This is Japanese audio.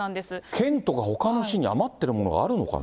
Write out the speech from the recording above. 県とかほかの市に余ってるものがあるのかな。